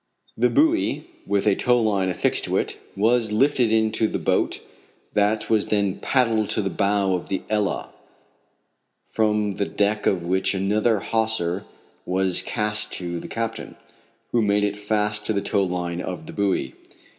The buoy, with a towline affixed to it, was lifted into the boat that was then paddled to the bow of the Ebba, from the deck of which another hawser was cast to the captain, who made it fast to the towline of the buoy.